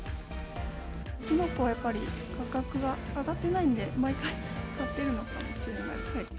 きのこはやっぱり価格が上がってないんで、毎回買ってるのかもしれない。